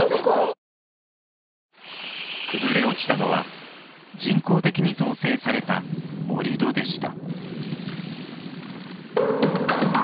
崩れ落ちたのは人工的に造成された盛土でした。